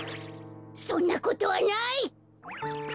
そんなことはない！